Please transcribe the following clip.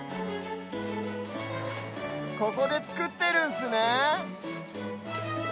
ここでつくってるんすね。